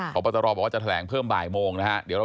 พระบัตรออบอกว่าจะแถลงเพิ่มบ่ายโมงนะครับ